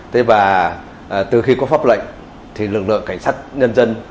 thế và từ khi có pháp lệnh thì lực lượng cảnh sát nhân dân